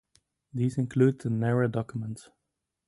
These include the "Nara Document".